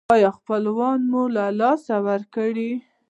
ایا خپلوان مو له لاسه ورکړي؟